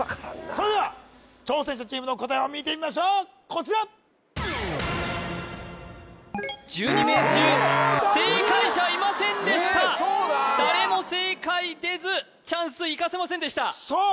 それでは挑戦者チームの答えを見てみましょうこちら１２名中正解者いませんでした誰も正解出ずチャンス生かせませんでしたさあ